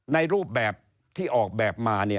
ในรูปแบบที่ออกแบบมาเนี่ย